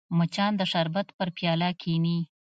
مچان د شربت پر پیاله کښېني